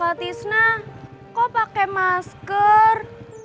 pak tisna kok pakai masker